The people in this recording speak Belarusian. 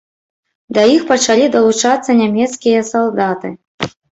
Да іх пачалі далучацца нямецкія салдаты.